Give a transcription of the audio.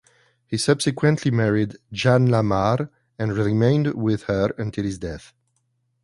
He subsequently married Jeanne Lamar and remained with her until his death.